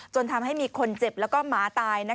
จนทำให้มีคนเจ็บแล้วก็หมาตาย